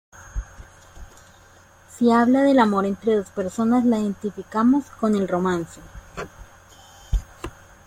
Si habla del amor entre dos personas, la identificamos con el romance.